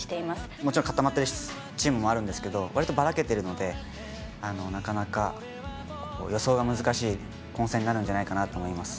もちろんかたまっているチームもあるんですけど、割とばらけているので、なかなか予想が難しい混戦になるんじゃないかなと思います。